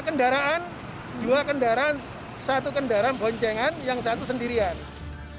kendaraan dua kendaraan satu kendaraan boncengan yang satu sendirian